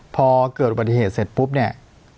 พอเกิดอุบัติเหตุเสร็จปุ๊บเนี่ย